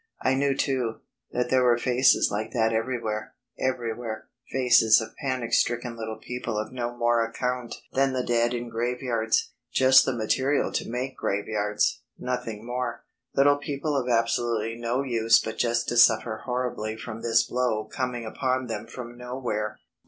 I knew too, that there were faces like that everywhere; everywhere, faces of panic stricken little people of no more account than the dead in graveyards, just the material to make graveyards, nothing more; little people of absolutely no use but just to suffer horribly from this blow coming upon them from nowhere.